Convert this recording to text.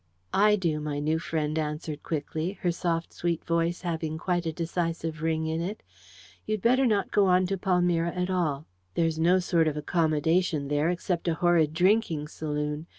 "I do," my new friend answered quickly, her soft sweet voice having quite a decisive ring in it. "You'd better not go on to Palmyra at all. There's no sort of accommodation there, except a horrid drinking saloon.